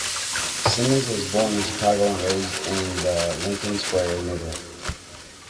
Simmons was born in Chicago and raised in the Lincoln Square neighborhood.